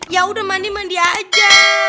yaudah mandi mandi aja